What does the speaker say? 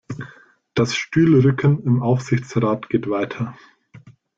Das Stühlerücken im Aufsichtsrat geht weiter.